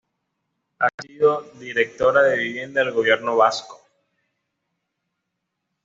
Ha sido Directora de Vivienda del Gobierno Vasco.